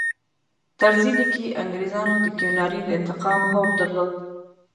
طرزي لیکي انګریزانو د کیوناري د انتقام هوډ درلود.